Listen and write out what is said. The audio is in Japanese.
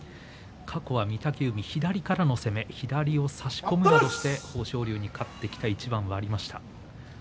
過去は御嶽海左からの攻め左を差し込もうとして豊昇龍に勝ってきた一番がありました。